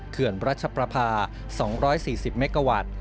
เขื่อนประชาปรภา๒๔๐เมกวัตต์